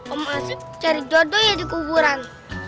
om hansip cari dodo yang dikuburan